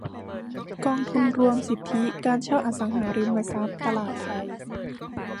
กองทุนรวมสิทธิการเช่าอสังหาริมทรัพย์ตลาดไท